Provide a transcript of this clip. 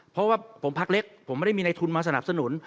เพราะว่าผมพักเล็กผมไม่ได้มีในทุนมาสนับสนุน